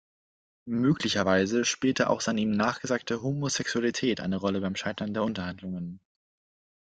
Möglicherweise spielte auch seine ihm nachgesagte Homosexualität eine Rolle beim Scheitern der Unterhandlungen.